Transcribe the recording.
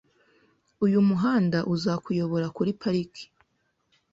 Uyu muhanda uzakuyobora kuri parike .